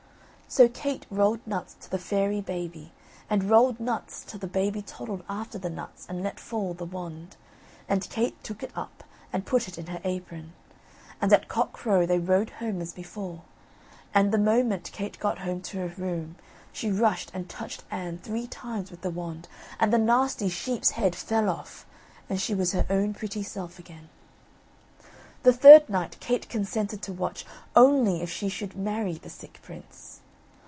So Kate rolled nuts to the fairy baby, and rolled nuts till the baby toddled after the nuts and let fall the wand, and Kate took it up and put it in her apron. And at cockcrow they rode home as before, and the moment Kate got home to her room she rushed and touched Anne three times with the wand, and the nasty sheep's head fell off and she was her own pretty self again. The third night Kate consented to watch, only if she should marry the sick prince.